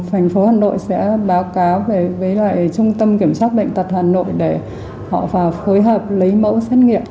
thành phố hà nội sẽ báo cáo với lại trung tâm kiểm tra bệnh tật hà nội để họ phải phối hợp lấy mẫu xét nghiệm